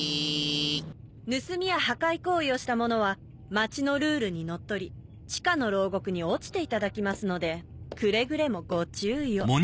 盗みや破壊行為をした者は街のルールにのっとり地下の牢獄に落ちていただきますのでくれぐれもご注意を。